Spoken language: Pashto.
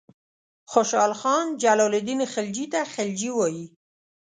خوشحال خان جلال الدین خلجي ته غلجي وایي.